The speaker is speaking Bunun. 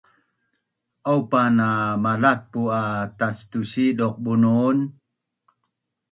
Aupa na malatpu’ a tastusiduq bunun